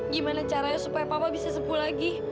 gimana caranya supaya papa bisa sepuh lagi